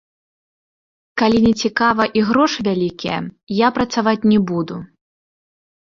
Калі нецікава і грошы вялікія, я працаваць не буду.